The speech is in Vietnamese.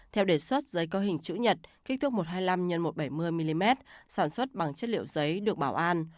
theo đề xuất giấy có hình chữ nhật kích thước một trăm hai mươi năm x một trăm bảy mươi mm sản xuất bằng chất liệu giấy được bảo an